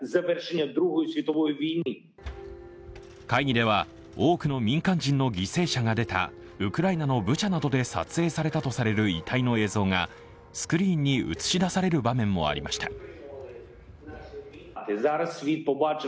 会議では多くの民間人の犠牲者が出たウクライナのブチャなどで撮影されたとされる遺体の映像がスクリーンに映し出される場面もありました。